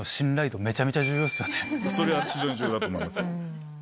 それは非常に重要だと思います。